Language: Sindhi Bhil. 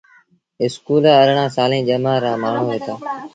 اسڪول ارڙآن سآليٚݩ ڄمآر رآ مآڻهوٚݩ هوئيٚتآ۔